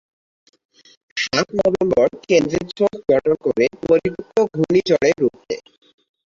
সাত নভেম্বর কেন্দ্রে চোখ গঠন করে পরিপক্ব ঘূর্ণিঝড়ে রূপ নেয়।